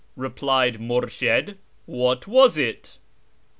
" replied Murshid, " what was it